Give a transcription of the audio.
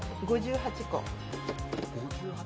５８個。